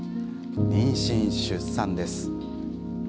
妊娠、出産です。